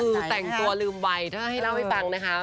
คือแต่งตัวลืมวัยถ้าให้เล่าให้ฟังนะคะ